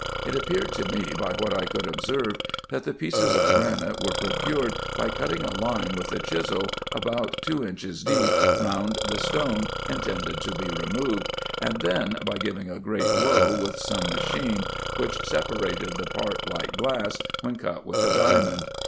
It appeared to me, by what I could observe, that the pieces of granite were procured by cutting a fine with a chisel, about two inches deep, round the stone intended to be removed, p 106 RESEARCHES AND OPERATIONS and then by giving a great blow with some machine, which se parated the part like glass when cut with a diamond.